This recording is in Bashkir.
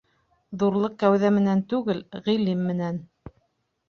Ҙурлыҡ кәүҙә менән түгел, ғилем менән.